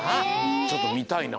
ちょっとみたいな。